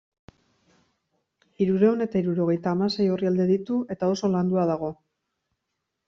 Hirurehun eta hirurogeita hamasei orrialde ditu eta oso landua dago.